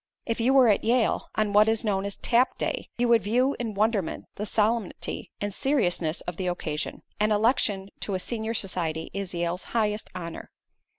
If you were at Yale, on what is known as "Tap Day," you would view in wonderment the solemnity and seriousness of the occasion. An election to a senior society is Yale's highest honor.